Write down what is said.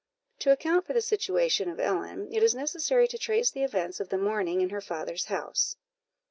To account for the situation of Ellen, it is necessary to trace the events of the morning in her father's house.